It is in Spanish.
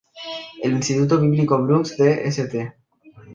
El Instituto Bíblico Brooks de St.